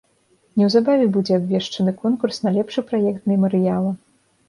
Неўзабаве будзе абвешчаны конкурс на лепшы праект мемарыяла.